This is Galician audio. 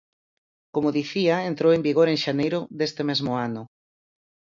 Como dicía, entrou en vigor en xaneiro deste mesmo ano.